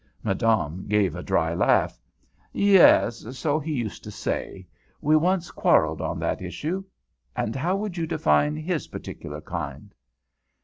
Madame gave a dry laugh. "Yes, so he used to say. We once quarrelled on that issue. And how would you define his particular kind?"